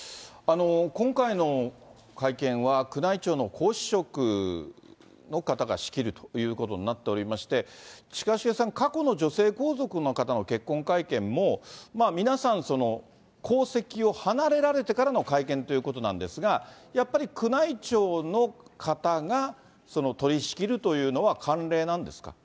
今回の会見は、宮内庁の皇嗣職の方が仕切るということになっておりまして、近重さん、過去の女性皇族の方の結婚会見も、皆さん、皇籍を離れられてからの会見ということなんですが、やっぱり宮内庁の方が取り仕切るというのは慣例なんですか。